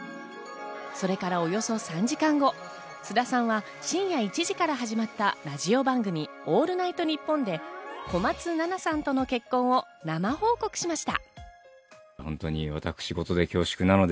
それからおよそ３時間後、菅田さんは深夜１時から始まったラジオ番組『オールナイトニッポン』で小松菜奈さんとの結婚を生報告しました。